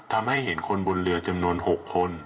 ทำให้เห็นคนบนเรือจำนวน๖คน